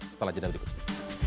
setelah itu ada berikutnya